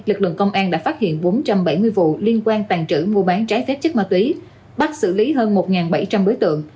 lực lượng công an đã phát hiện bốn trăm bảy mươi vụ liên quan tàn trữ mua bán trái phép chất ma túy bắt xử lý hơn một bảy trăm linh đối tượng